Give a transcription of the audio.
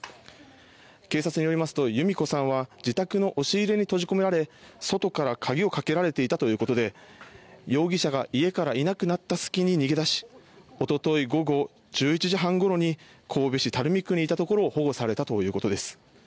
警察によりますと由美子さんは自宅の押し入れに閉じ込められ外から鍵をかけられていたということで容疑者が家からいなくなった隙に逃げ出し一昨日午後１１時半ごろに神戸市垂水区にいたところを保護されたということです。